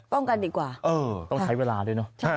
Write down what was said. กันดีกว่าต้องใช้เวลาด้วยเนอะ